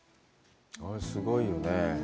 すごいよね。